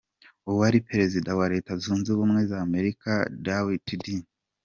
Uwari perezida wa Leta zunze ubumwe za Amerika Dwight D.